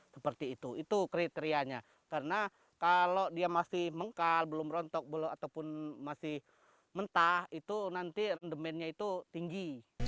seperti itu itu kriterianya karena kalau dia masih mengkal belum rontok ataupun masih mentah itu nanti rendemennya itu tinggi